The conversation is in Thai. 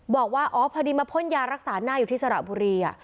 บอกว่าอ๋อพอดีมาพ่นยารักษาหน้าอยู่ที่สระบุรี